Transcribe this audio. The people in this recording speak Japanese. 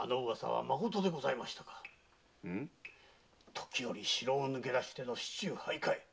時折城を抜け出しての市中徘徊。